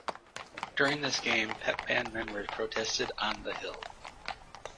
During this game, Pep Band members protested on "The Hill".